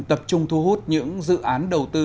tập trung thu hút những dự án đầu tư